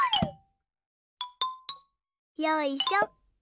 よいしょ。